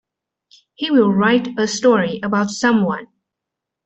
He will write a story about someone.